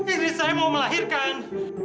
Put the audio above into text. ini saya mau melahirkan